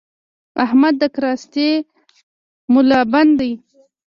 احمد د کراستې ملابند دی؛